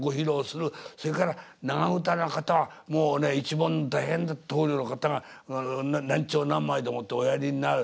それから長唄の方は一門大変なところの方が何丁何枚でもっておやりになる。